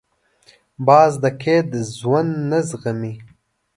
باز د قید ژوند نه زغمي